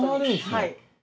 はい。